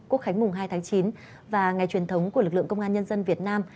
quốc khánh mùng hai tháng chín và ngày truyền thống của lực lượng công an nhân dân việt nam